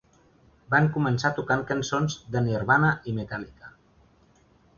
Van començar tocant cançons de Nirvana i Metallica.